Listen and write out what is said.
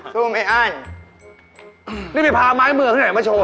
สู้ไม่อั้นนี่ไปพาไม้เมื่อก่อนไหนมาโชว์